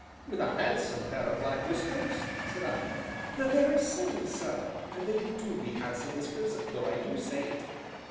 "With a handsome pair of black whiskers?" said I. "The very same, sir, and they do be handsome whiskers, though I do say it."